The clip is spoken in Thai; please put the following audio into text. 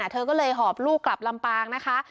เธอก็เลยหอบลูกกลับลำปางนะคะ